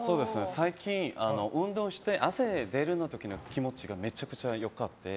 最近、運動して汗出た時の気持ちがめちゃくちゃ良くて。